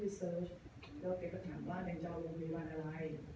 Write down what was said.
ซดสำคุณหอค่ะเจอว่าแดงเจ้าโรงพิพยาบาลอะไร